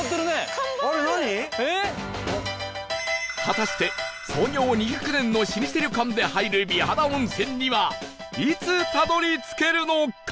果たして創業２００年の老舗旅館で入る美肌温泉にはいつたどり着けるのか？